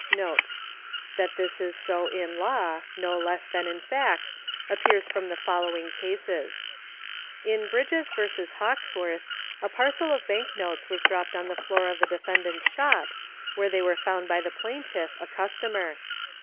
That this is so in law, no less than in fact, appears from the following cases :— In Bridges v. Hawkcsivorth ^ a parcel of bank notes was dropped on the floor of the defendant's shop, where they were found by the plaintiff, a customer.